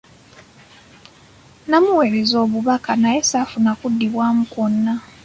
Namuweereza obubaka naye saafuna kuddibwamu kwonna.